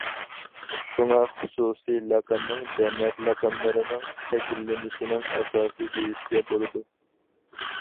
شۇڭا خۇسۇسىي لەقەمنى جەمەت لەقەملىرىنىڭ شەكىللىنىشىنىڭ ئاساسى دېيىشكە بولىدۇ.